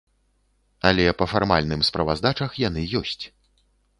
Але па фармальным справаздачах яны ёсць.